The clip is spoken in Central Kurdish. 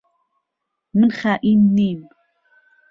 من خائین نیم.